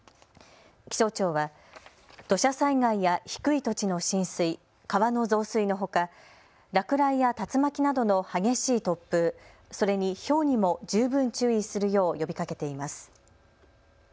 気象庁は土砂災害や低い土地の浸水、川の増水のほか落雷や竜巻などの激しい突風、それに、ひょうにも十分注意するよう呼びかけています。